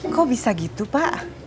kok bisa gitu pak